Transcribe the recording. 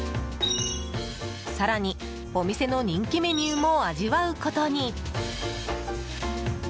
更に、お店の人気メニューも味わうことに。